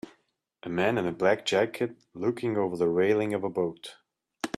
A man in a black jacket looking over the railing of a boat.